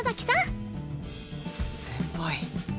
先輩。